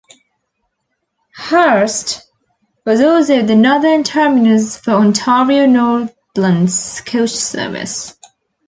Hearst was also the northern terminus for Ontario Northland's coach service.